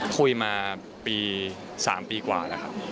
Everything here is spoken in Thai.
คุยมาปี๓ปีกว่าแล้วครับ